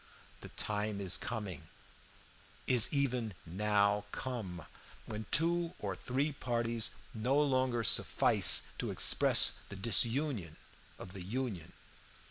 The time is coming, is even now come, when two or three parties no longer suffice to express the disunion of the Union.